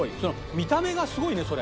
見た目がすごいねそれ。